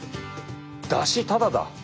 だしタダだ！